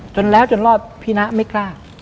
จนแล้วจนรอดพี่นะไม่กล้า